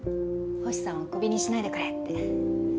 星さんをクビにしないでくれって。